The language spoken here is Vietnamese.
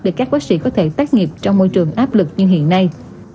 để các bác sĩ có thể tác nghiệp trong môi trường áp lực như hiện nay